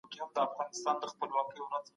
ايا سياستپوهنه پر تجربه ولاړ نظام نه دی؟